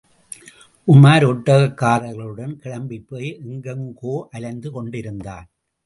உமார் ஒட்டகக்காரர்களுடன் கிளம்பிப்போய் எங்கெங்கோ அலைந்து கொண்டிருந்தான்.